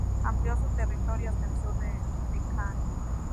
Amplió su territorio hasta el sur de Deccan.